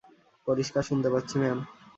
পরিষ্কার শুনতে পাচ্ছি, ম্যাম!